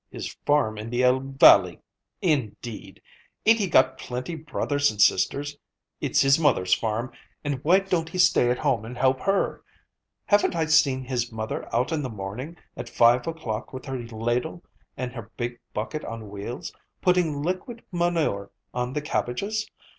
His farm in the Elbe valley, indeed! Ain't he got plenty brothers and sisters? It's his mother's farm, and why don't he stay at home and help her? Haven't I seen his mother out in the morning at five o'clock with her ladle and her big bucket on wheels, putting liquid manure on the cabbages?